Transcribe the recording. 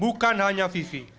bukan hanya vivi